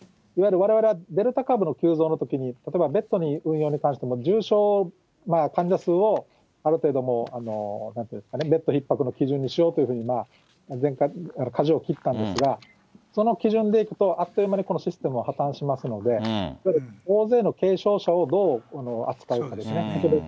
いわゆるわれわれ、デルタ株の急増のときに、例えばベッドの運用に関しても重症患者数をある程度、もうベッドひっ迫の基準にしようというふうにかじを切ったんですが、その基準で行くと、あっという間にこのシステムは破綻しますので、いわゆる大勢の軽症者をどう扱うかですね。